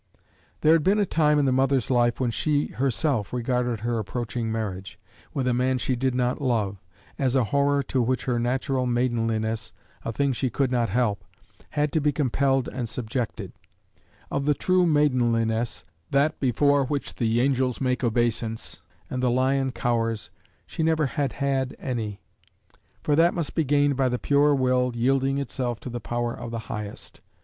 There had been a time in the mother's life when she herself regarded her approaching marriage, with a man she did not love, as a horror to which her natural maidenliness a thing she could not help had to be compelled and subjected: of the true maidenliness that before which the angels make obeisance, and the lion cowers she never had had any; for that must be gained by the pure will yielding itself to the power of the highest.